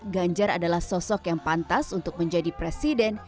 ganjar adalah sosok yang pantas untuk menjadi presiden